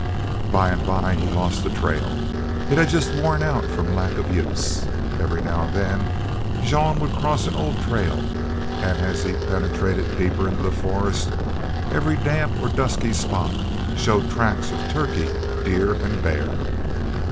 By and by he lost the trail. It had just worn out from lack of use. Every now and then Jean would cross an old trail, and as he penetrated deeper into the forest every damp or dusty spot showed tracks of turkey, deer, and bear.